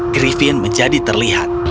griffin menjadi terlihat